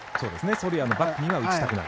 ソルヤのバックには打ちたくない。